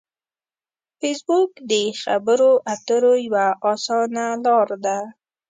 فېسبوک د خبرو اترو یوه اسانه لار ده